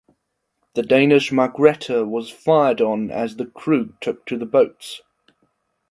The Danish "Margrethe" was fired on as the crew took to the boats.